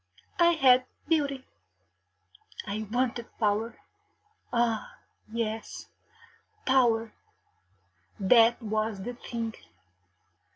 I had beauty; I wanted power ah yes, power, that was the thing!